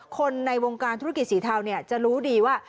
คนในวงการธุรกิจสีเทาจะรู้ดีว่า